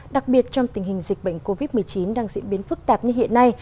đặc biệt trong tình hình dịch bệnh covid một mươi chín đang diễn biến phức tạp như hiện nay